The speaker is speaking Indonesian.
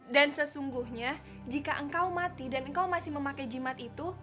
dan sesungguhnya jika engkau mati dan engkau masih memakai jimat itu